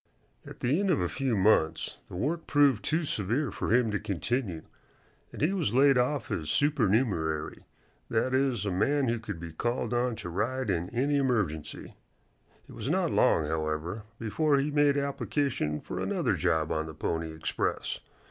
At the end of a few months the work proved too severe for him to continue, and he was laid off as supernumerary that is, a man who could be called on to ride in any emergency. It was not long, however, before he made application for another job on the Pony Express.